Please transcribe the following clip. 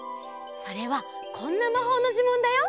それはこんなまほうのじゅもんだよ！